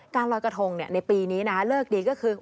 รอยกระทงในปีนี้นะเลิกดีก็คือ